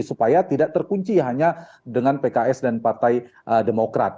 supaya tidak terkunci hanya dengan pks dan partai demokrat